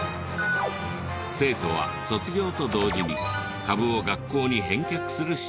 生徒は卒業と同時に株を学校に返却するシステム。